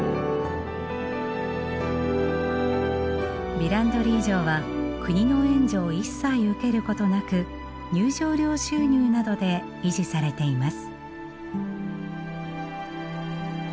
ヴィランドリー城は国の援助を一切受けることなく入場料収入などで維持されています。